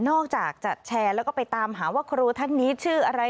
อกจากจะแชร์แล้วก็ไปตามหาว่าครูท่านนี้ชื่ออะไร